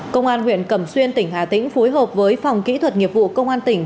công an huyện cẩm xuyên tỉnh hà tĩnh phối hợp với phòng kỹ thuật nghiệp vụ công an tỉnh